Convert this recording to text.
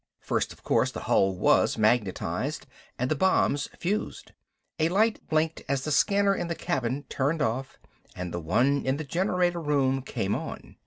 First, of course, the hull was magnetized and the bombs fused. A light blinked as the scanner in the cabin turned off, and the one in the generator room came on.